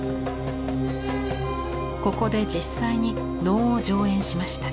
ここで実際に能を上演しました。